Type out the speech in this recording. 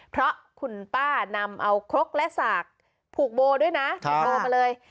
เพราะคุณป้านำเอาครกและสากผูกโบด้วยนะผูกโบมาเลย